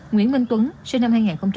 nguyễn minh tuấn sinh năm hai nghìn chín